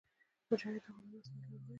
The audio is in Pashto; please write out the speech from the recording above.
مجاهد د قرآن او سنت لاروی وي.